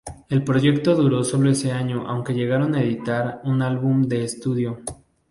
El proyecto duró sólo ese año, aunque llegaron a editar un álbum de estudio.